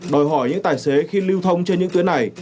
đòi hỏi những tài xế khi lưu thông trên những tuyến này